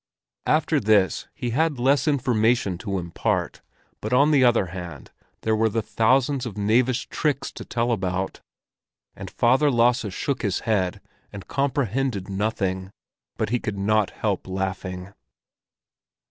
After this he had less information to impart, but on the other hand there were the thousands of knavish tricks to tell about. And father Lasse shook his head and comprehended nothing; but he could not help laughing.